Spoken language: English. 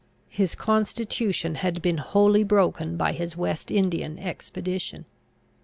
His constitution had been wholly broken by his West Indian expedition.